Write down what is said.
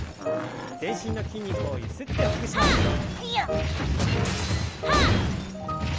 全身の筋肉をゆすってほぐします。